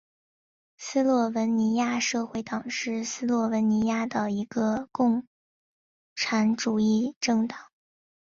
斯洛文尼亚社会党是斯洛文尼亚的一个共产主义政党。